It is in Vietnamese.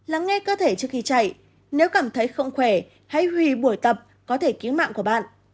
lắng nghe cơ thể trước khi chạy nếu cảm thấy không khỏe hãy hủy buổi tập có thể cứu mạng của bạn